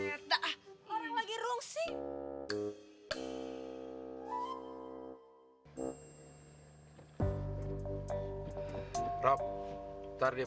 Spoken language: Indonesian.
aduh aduh aduh